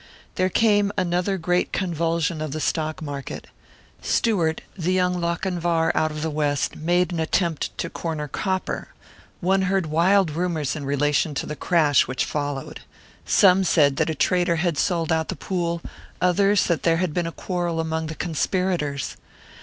There came another great convulsion of the stock market. Stewart, the young Lochinvar out of the West, made an attempt to corner copper. One heard wild rumours in relation to the crash which followed. Some said that a traitor had sold out the pool; others, that there had been a quarrel among the conspirators.